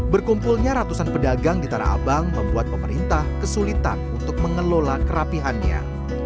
berkumpulnya ratusan pedagang di tanah abang membuat pemerintah kesulitan untuk mengelola kerapihannya